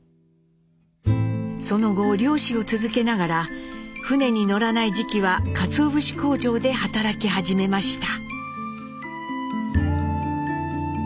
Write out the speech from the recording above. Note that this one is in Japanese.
その後漁師を続けながら船に乗らない時期はかつお節工場で働き始めました。